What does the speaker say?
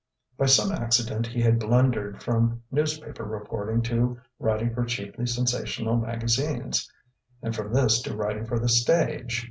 By some accident he had blundered from newspaper reporting to writing for cheaply sensational magazines, and from this to writing for the stage.